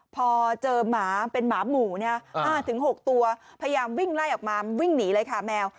พอเจอหมาเป็นหมาหมู่๕๖ตัวพยายามวิ่งไล่ออกมาวิ่งหนีเลยค่ะแมว